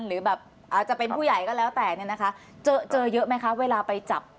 หรือแบบอาจจะเป็นผู้ใหญ่ก็แล้วแต่เนี่ยนะคะเจอเจอเยอะไหมคะเวลาไปจับ